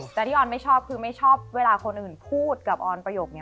แต่ที่ออนไม่ชอบคือไม่ชอบเวลาคนอื่นพูดกับออนประโยคนี้